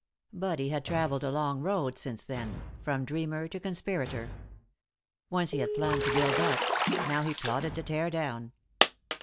But he had traveled a long road since then, from dreamer to conspirator. Once he had planned to build up; now he plotted to tear down.